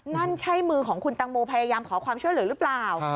นั่นใช่มือของคุณตังโมพยายามขอความช่วยเหลือหรือเปล่า